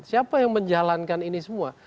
siapa yang menjalankan ini semua